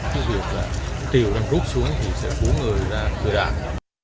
khi việc tiều đang rút xuống thì sẽ cuốn người ra người đạt